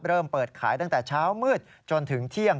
เริ่มเปิดขายตั้งแต่เช้ามืดจนถึงเที่ยง